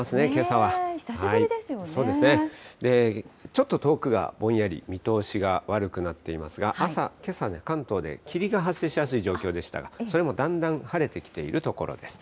ちょっと遠くがぼんやり、見通しが悪くなっていますが、朝、けさ、関東で霧が発生しやすい状況でしたが、それもだんだん晴れてきているところです。